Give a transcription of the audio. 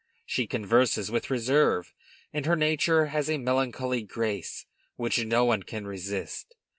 She converses with reserve, and her nature has a melancholy grace which no one can resist.